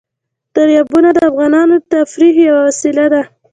دریابونه د افغانانو د تفریح یوه وسیله ده.